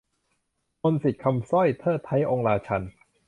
มนต์-สิทธิ์-คำสร้อย :'เทิดไท้องค์ราชันย์'